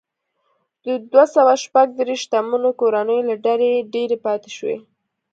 د دوه سوه شپږ دېرش شتمنو کورنیو له ډلې ډېرې پاتې شوې.